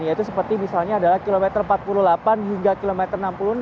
yaitu seperti misalnya adalah kilometer empat puluh delapan hingga kilometer enam puluh enam